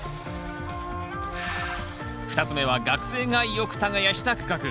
２つ目は学生がよく耕した区画。